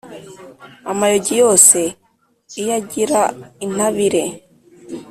Amayogi yose iyagira intabire,